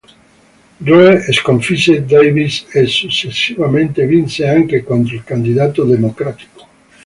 Roe sconfisse Davis e successivamente vinse anche contro il candidato democratico.